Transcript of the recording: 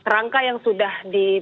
rangka yang sudah